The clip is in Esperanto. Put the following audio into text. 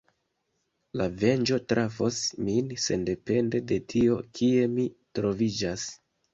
La venĝo trafos min sendepende de tio kie mi troviĝas.